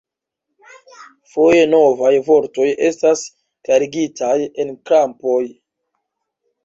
Foje novaj vortoj estas klarigitaj en krampoj.